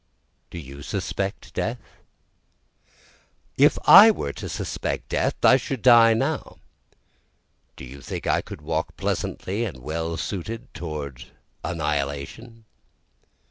Do you suspect death? if I were to suspect death I should die now, Do you think I could walk pleasantly and well suited toward annihilation?